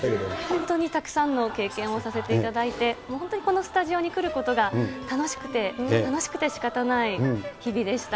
本当にたくさんの経験をさせていただいて、本当にこのスタジオに来ることが、楽しくて、楽しくてしかたがない日々でした。